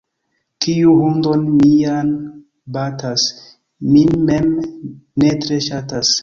Kiu hundon mian batas, min mem ne tre ŝatas.